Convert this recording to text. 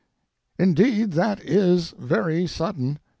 Indeed, that is very sudden.